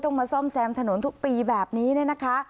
มาซ่อมแซมถนนทุกปีแบบนี้เนี่ยนะคะ